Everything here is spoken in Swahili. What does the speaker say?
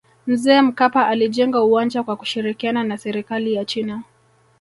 mzee mkapa alijenga uwanja kwa kushirikiana na serikali ya china